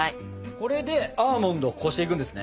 これでアーモンドをこしていくんですね？